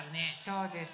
そうです。